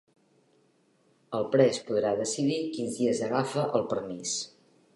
El pres podrà decidir quins dies agafa el permís